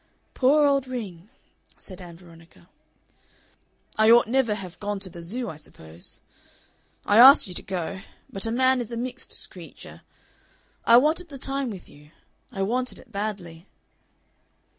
"Poor old ring!" said Ann Veronica. "I ought never have gone to the Zoo, I suppose. I asked you to go. But a man is a mixed creature.... I wanted the time with you. I wanted it badly."